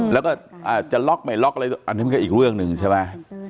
แล้วก็จะล็อกไหมล็อกอะไรอันนี้ก็อีกเรื่องนึงใช่ไหม